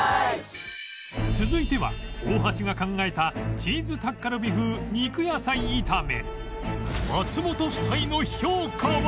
続いては大橋が考えたチーズタッカルビ風肉野菜炒め